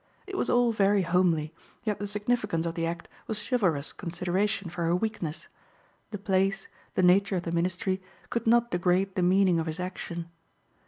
It was all very homely, yet the significance of the act was chivalrous consideration for her weakness; the place, the nature of the ministry could not degrade the meaning of his action.